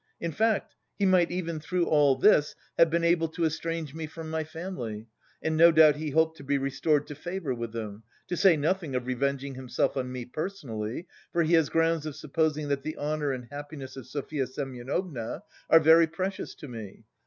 In fact he might even, through all this, have been able to estrange me from my family, and no doubt he hoped to be restored to favour with them; to say nothing of revenging himself on me personally, for he has grounds for supposing that the honour and happiness of Sofya Semyonovna are very precious to me.